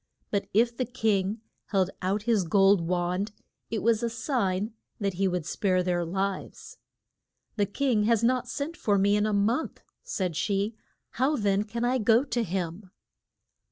But if the king held out his gold wand it was a sign that he would spare their lives. The king has not sent for me for a month, said she. How then can I go to him?